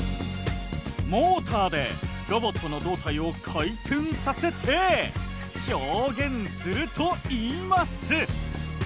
モーターでロボットの胴体を回転させて表現するといいます。